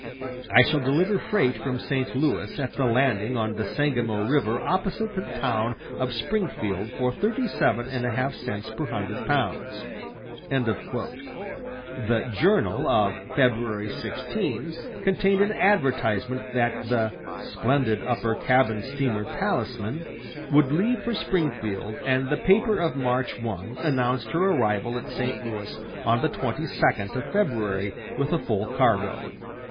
I shall deliver freight from St. Louis at the landing on the Sangamo River opposite the town of Springfield for thirty seven and a half cents per hundred pounds." The "Journal" of February 16 contained an advertisement that the "splendid upper cabin steamer Talisman" would leave for Springfield, and the paper of March 1 announced her arrival at St. Louis on the 22d of February with a full cargo.